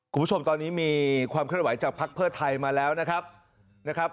คุณผู้ชมตอนนี้มีความเคลื่อนไหวจากภักดิ์เพื่อไทยมาแล้วนะครับ